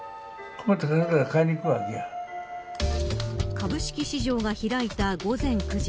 株式市場が開いた午前９時。